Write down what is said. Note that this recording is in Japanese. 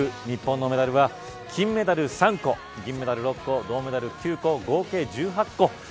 日本のメダルは金メダル３個銀メダル６個、銅メダル９個合計１８個。